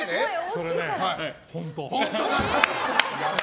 それね、本当！